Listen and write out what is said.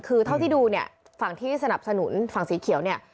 คือเท่าที่ดูเนี่ยฝั่งที่สนับสนุนฝั่งสีเขียวเนี่ย